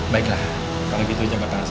baiklah kalau gitu saja pak pak rasa